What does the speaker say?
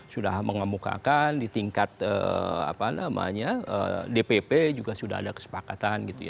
sudah mengemukakan di tingkat dpp juga sudah ada kesepakatan